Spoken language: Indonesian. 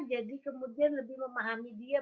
jadi kemudian lebih memahami dia